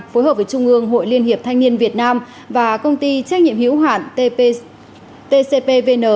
phối hợp với trung ương hội liên hiệp thanh niên việt nam và công ty trách nhiệm hiếu hạn tcpvn